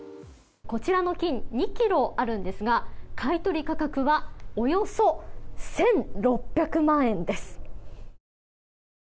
こちらの金２ｋｇあるんですが買い取り価格はおよそ１６００万円です。